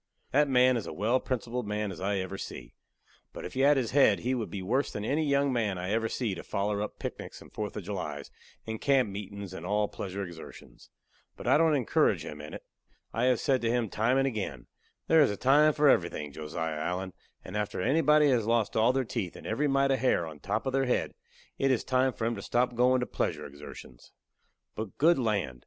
That man is a well principled man as I ever see, but if he had his head he would be worse than any young man I ever see to foller up picnics and 4th of Julys and camp meetin's and all pleasure exertions. But I don't encourage him in it. I have said to him time and again: "There is a time for everything, Josiah Allen, and after anybody has lost all their teeth and every mite of hair on the top of their head, it is time for 'em to stop goin' to pleasure exertions." But good land!